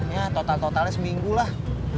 ya total totalnya seminggu lah